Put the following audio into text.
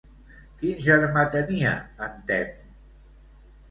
Quin germà tenia en Temme?